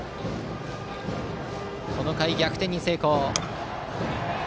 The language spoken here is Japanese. この回、逆転に成功。